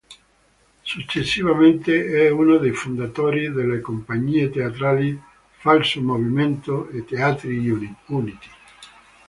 Successivamente è uno dei fondatori delle compagnie teatrali "Falso Movimento" e "Teatri Uniti".